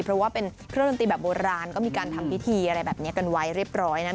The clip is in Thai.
เพราะว่าเป็นเครื่องดนตรีแบบโบราณก็มีการทำพิธีอะไรแบบนี้กันไว้เรียบร้อยนะ